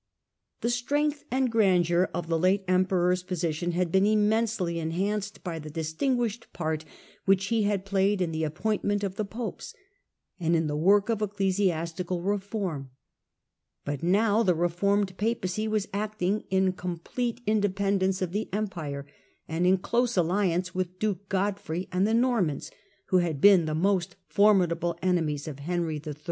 The strength and grandeur of the late emperor's position had been immensely enhanced by the dis tinguished part which he had played in the appoint ment of the popes, and in the work of ecclesiastical reform; but now the reformed Papacy was acting in complete independence of the Empire, and in close alliance with duke Godfrey and the Normans, who had been the most formidable enemies of Henry III.